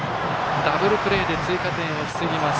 ダブルプレーで追加点を防ぎます。